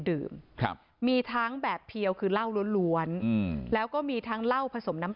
ดื่มครับมีทั้งแบบเพียวคือเหล้าล้วนแล้วก็มีทั้งเหล้าผสมน้ำ